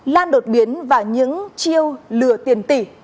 lan đột biến và những chiêu lừa tiền tỷ